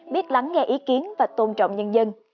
biết lắng nghe ý kiến và tôn trọng nhân dân